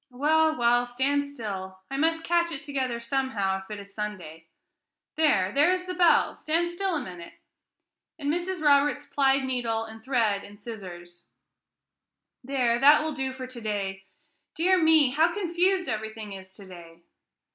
"Well, well, stand still; I must catch it together somehow, if it is Sunday. There! there is the bell! Stand still a minute!" and Mrs. Roberts plied needle, and thread, and scissors; "there, that will do for to day. Dear me, how confused everything is to day!"